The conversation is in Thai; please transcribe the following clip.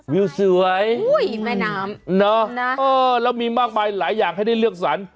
วิวสวยนะฮือมีมากไปหลายอย่างให้ได้เลือกสรร